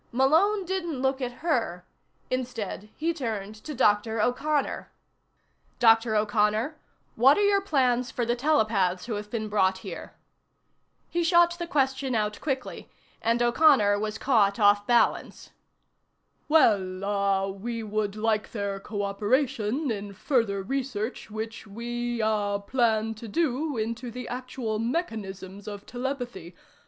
Malone didn't look at her. Instead, he turned to Dr. O'Connor. "Dr. O'Connor, what are your plans for the telepaths who have been brought here?" He shot the question out quickly, and O'Connor was caught off balance. "Well ah we would like their cooperation in further research which we ah plan to do into the actual mechanisms of telepathy.